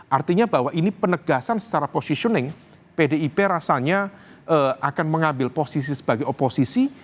artinya bahwa ini penegasan secara positioning pdip rasanya akan mengambil posisi sebagai oposisi